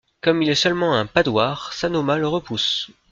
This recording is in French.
Comme il est seulement un padwar, Sanoma le repousse.